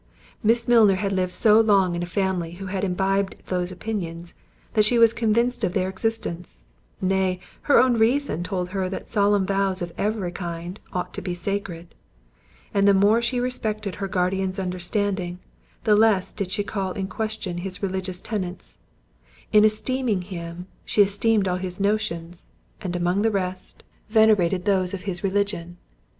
Miss Milner had lived so long in a family who had imbibed those opinions, that she was convinced of their existence; nay, her own reason told her that solemn vows of every kind, ought to be sacred; and the more she respected her guardian's understanding, the less did she call in question his religious tenets—in esteeming him, she esteemed all his notions; and among the rest, venerated those of his religion.